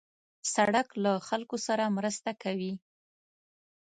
سړک له خلکو سره مرسته کوي.